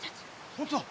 本当だ！